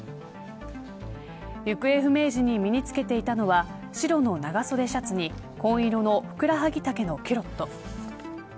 行方不明時に身に着けていたのは白の長袖シャツに紺色のふくらはぎ丈のキュロット。